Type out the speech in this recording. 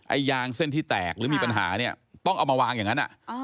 ยางเส้นที่แตกหรือมีปัญหาเนี่ยต้องเอามาวางอย่างนั้น